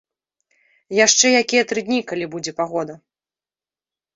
Яшчэ якія тры дні, калі будзе пагода.